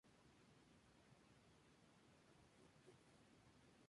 Ese año, el Municipal de Iquique le rindió a los Robledo un multitudinario homenaje.